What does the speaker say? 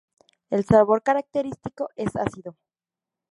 El sabor característico es ácido.